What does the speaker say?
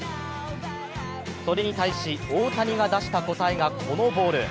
それに対し、大谷が出した答えがこのボール。